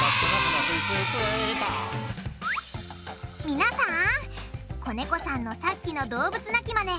みなさん小猫さんのさっきの動物鳴きマネ